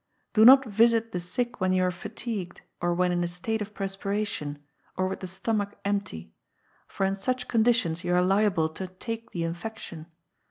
Do not visit the sick when you are fatigued, or when in a state of perspiration, or with the stomach empty for in such conditions you are liable to take the infection.